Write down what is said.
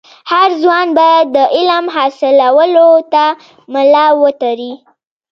هر ځوان باید د علم حاصلولو ته ملا و تړي.